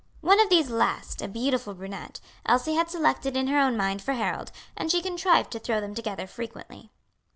One of these last, a beautiful brunette, Elsie had selected in her own mind for Harold, and she contrived to throw them together frequently.